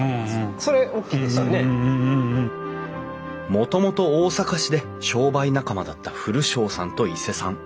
もともと大阪市で商売仲間だった古荘さんと伊勢さん。